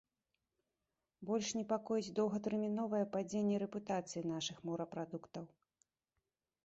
Больш непакоіць доўгатэрміновае падзенне рэпутацыі нашых морапрадуктаў.